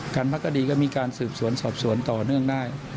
พักคดีก็มีการสืบสวนสอบสวนต่อเนื่องได้